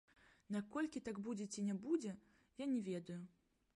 Наколькі так будзе ці не будзе, я не ведаю.